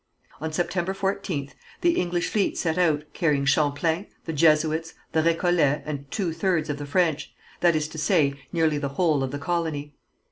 On September 14th the English fleet set out carrying Champlain, the Jesuits, the Récollets, and two thirds of the French, that is to say, nearly the whole of the colony.